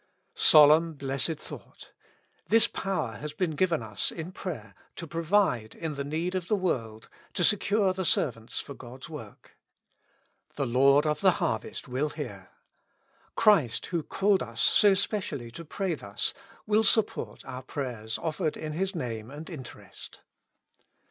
Solemn, blessed thought ! this power has been given us in prayer to provide in the need of the world, to secure the servants for God's work. The Lord of the harvest will hear. Christ, who called us so specially to pray thus, will support our prayers offered in His name and interest.